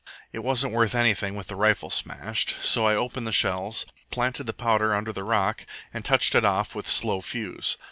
It wasn't worth anything with the rifle smashed; so I opened the shells, planted the powder under the rock, and touched it off with slow fuse.